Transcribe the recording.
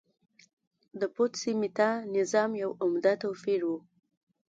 د پوتسي میتا نظام یو عمده توپیر و